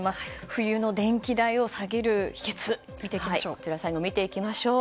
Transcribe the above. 冬の電気代を下げる秘訣を見ていきましょう。